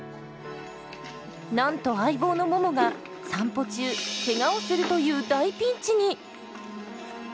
なんと相棒のももが散歩中ケガをするという大ピンチに！